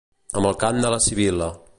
amb el cant de la Sibil·la